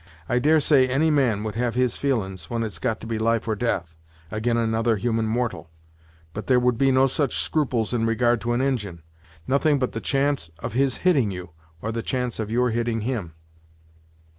I dare say any man would have his feelin's when it got to be life or death, ag'in another human mortal; but there would be no such scruples in regard to an Injin; nothing but the chance of his hitting you, or the chance of your hitting him."